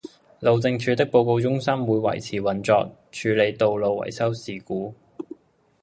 路政署的報告中心會維持運作，處理道路維修事故